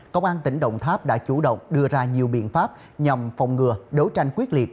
công an tỉnh đồng tháp đã chủ động đưa ra nhiều biện pháp nhằm phòng ngừa đấu tranh quyết liệt